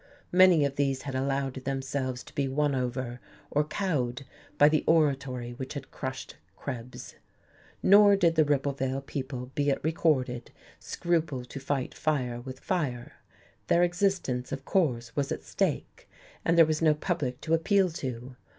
Many of these had allowed themselves to be won over or cowed by the oratory which had crushed Krebs. Nor did the Ribblevale people be it recorded scruple to fight fire with fire. Their existence, of course, was at stake, and there was no public to appeal to.